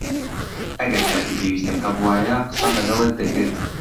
ئەگەر کاتی پێویستم هەبووایە، قسەم لەگەڵت دەکرد.